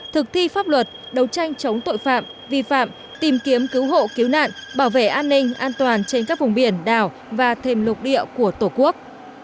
thực thi pháp luật đấu tranh chống tội phạm vi phạm tìm kiếm cứu hộ cứu nạn bảo vệ an ninh an toàn trên các vùng biển đảo và thêm lục địa của tổ quốc